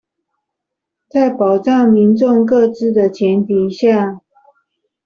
在保障民眾個資的前提下